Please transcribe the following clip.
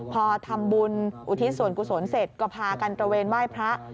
พอทำบุญอุทิศส่วนกุศลเสร็จก็พากันตระเวนไหว้พระ